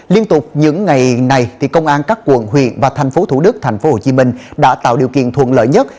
liên tục những ngày này công an các quận huyện và thành phố thủ đức tp hcm đã tạo điều kiện thuận lợi nhất